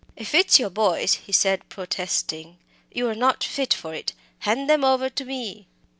"If it's your boys," he said, protesting, "you're not fit for it. Hand them over to me."